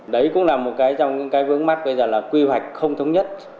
đấy cũng là một cái trong những cái vướng mắt bây giờ là quy hoạch không thống nhất